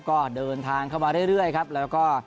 ก็เดินทางเข้ามาเรื่อยครับแล้วก็